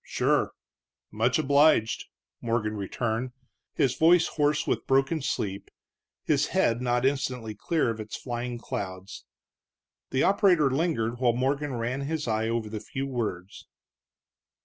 "Sure much obliged," Morgan returned, his voice hoarse with broken sleep, his head not instantly clear of its flying clouds. The operator lingered while Morgan ran his eye over the few words.